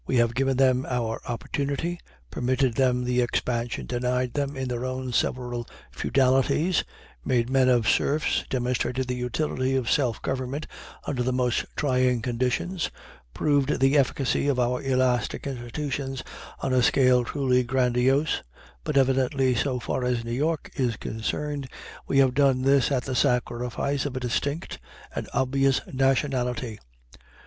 We have given them our opportunity, permitted them the expansion denied them in their own several feudalities, made men of serfs, demonstrated the utility of self government under the most trying conditions, proved the efficacy of our elastic institutions on a scale truly grandiose; but evidently, so far as New York is concerned, we have done this at the sacrifice of a distinct and obvious nationality.